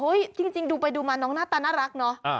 เฮ้ยจริงจริงดูไปดูมาน้องหน้าตาน่ารักเนอะอ่า